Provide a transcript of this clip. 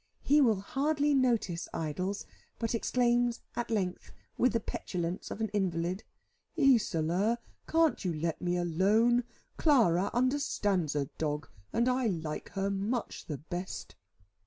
He will hardly notice Idols, but exclaims, at length, with the petulance of an invalid, "Isola, can't you let me alone? Clara understands a dog, and I like her much the best."